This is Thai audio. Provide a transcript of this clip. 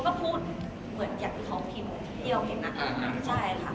เค้าก็คุกอยากพิมพ์เรียนออกดนตรีนะ